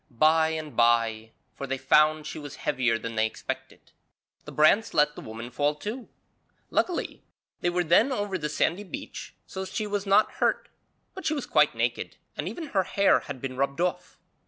By and bye for they found she was heavier than they expected the brants let the woman fall too. Luckily they were then over the sandy beach so she was not hurt, but she was quite naked and even her hair had been rubbed off.